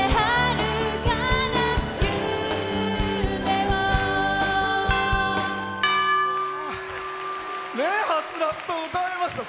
はつらつと歌いました。